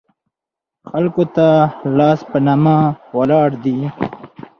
خلکو ته لاس په نامه ولاړ دي.